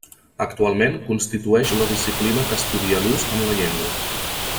Actualment, constitueix la disciplina que estudia l'ús en la llengua.